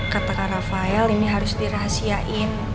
katakan raphael ini harus dirahasiain